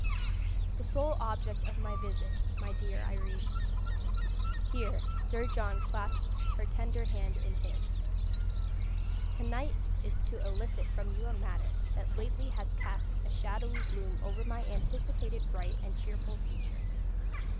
"The sole object of my visit, my dear Irene" here Sir John clasped her tender hand in his "tonight is to elicit from you a matter that lately has cast a shadowy gloom over my anticipated bright and cheerful future.